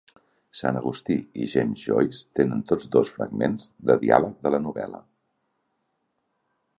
Sant Agustí i James Joyce tenen tots dos fragments de diàleg a la novel·la.